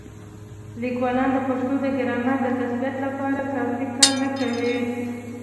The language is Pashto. لیکوالان د پښتو د ګرامر د تثبیت لپاره کافي کار نه کوي.